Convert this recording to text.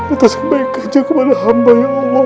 atas kebaikan yang keberkahan ya allah